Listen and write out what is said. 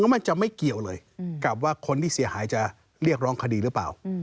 มันจะไม่เกี่ยวเลยกับว่าคนที่เสียหายจะเรียกร้องคดีหรือเปล่า